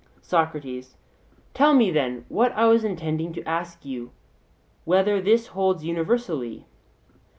SOCRATES: Tell me, then, what I was intending to ask you, whether this holds universally?